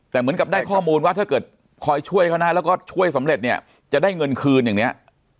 แต่เหมือนกับได้ข้อมูลว่าถ้าเกิดคอยช่วยเขานะแล้วก็ช่วยสำเร็จเนี่ยจะได้เงินคืนอย่างนี้